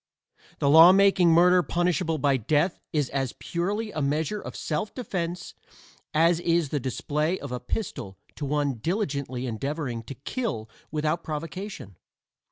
The law making murder punishable by death is as purely a measure of self defense as is the display of a pistol to one diligently endeavoring to kill without provocation.